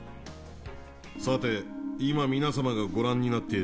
さて、今、皆様がご覧になっている